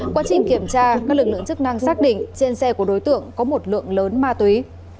quá trình kiểm tra các lực lượng chức năng xác định trên xe của đối tượng có một lượng lớn ma túy